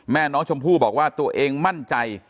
แม่น้องชมพู่บอกว่าตัวเองมั่นใจ